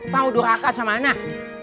mau durakan sama anak